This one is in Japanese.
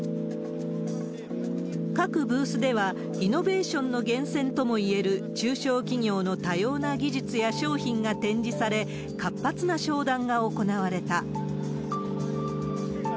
各ブースでは、イノベーションの源泉ともいえる中小企業の多様な技術や商品が展示され、活発な商談が行われた。